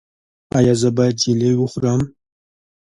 ایا زه باید جیلې وخورم؟